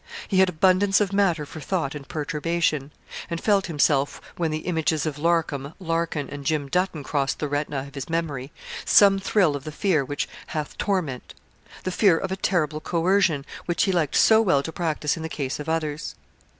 He had abundance of matter for thought and perturbation, and felt himself, when the images of Larcom, Larkin, and Jim Dutton crossed the retina of his memory, some thrill of the fear which 'hath torment' the fear of a terrible coercion which he liked so well to practise in the case of others.